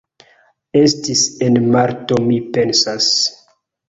Estis en marto mi pensas